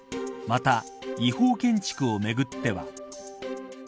また、違法建築をめぐっては。